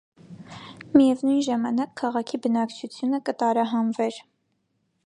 Միեւնոյն ժամանակ քաղաքի բնակչութիւնը կը տարահանուէր։